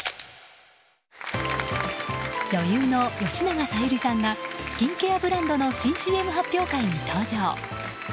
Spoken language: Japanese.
女優の吉永小百合さんがスキンケアブランドの新ＣＭ発表会に登場。